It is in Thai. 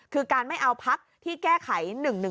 คือการไม่เอาพักที่แก้ไข๑๑๒